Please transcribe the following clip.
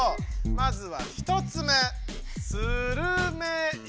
まずは１つ目「するめいか」。